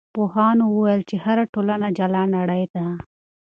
پوهانو وویل چې هره ټولنه جلا نړۍ ده.